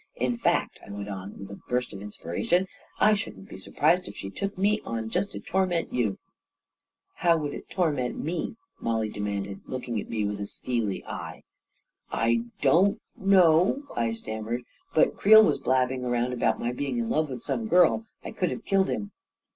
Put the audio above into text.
In .% fact," I went on, with a burst of inspiration, " I shouldn't be surprised if she took me on just to tor ment you ..." 44 How would it torment me? " Mollie demanded, looking at me with a steely eye. 1 A KING IN BABYLON 169 "I don't know," I stammered; "but Creel was blabbing around about my being in love with some girl — I could have killed him